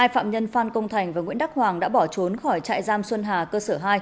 hai phạm nhân phan công thành và nguyễn đắc hoàng đã bỏ trốn khỏi trại giam xuân hà cơ sở hai